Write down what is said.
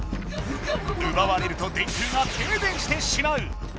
うばわれると電空がてい電してしまう。